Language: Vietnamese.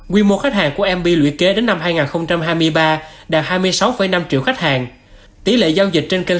quy mô khách hàng của mb luyện kế đến năm hai nghìn hai mươi ba đạt hai mươi sáu năm triệu khách hàng tỷ lệ giao dịch trên kênh